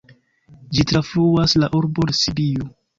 Ĝi trafluas la urbon Sibiu.